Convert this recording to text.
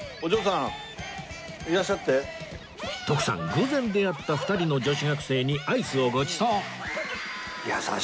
偶然出会った２人の女子学生にアイスをごちそう